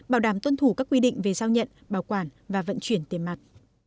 bảo đảm tuân thủ các quy định về giao nhận bảo quản và vận chuyển tiền mặt